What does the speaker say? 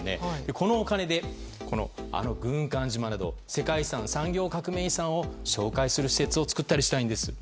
このお金で軍艦島など世界遺産産業革命遺産を紹介する施設を作ったりしたいんです。